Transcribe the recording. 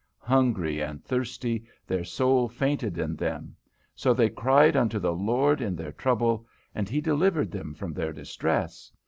Hungry and thirsty, their soul fainted in them. So they cried unto the Lord in their trouble, and He delivered them from their distress.